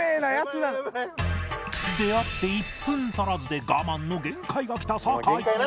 出会って１分足らずで我慢の限界がきた酒井